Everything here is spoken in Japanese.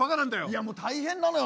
いやもう大変なのよ。